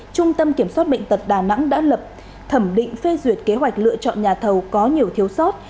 trung tâm kiểm soát bệnh tật đà nẵng đã lập thẩm định phê duyệt kế hoạch lựa chọn nhà thầu có nhiều thiếu sót